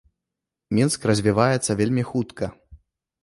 Мінск развіваецца вельмі хутка.